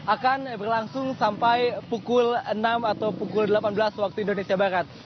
akan berlangsung sampai pukul enam atau pukul delapan belas waktu indonesia barat